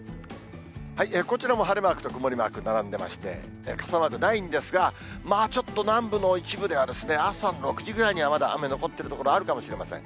こちらも晴れマークと曇りマーク並んでまして、傘マークないんですが、ちょっと南部の一部では、朝の６時ぐらいには、まだ雨残っている所あるかもしれません。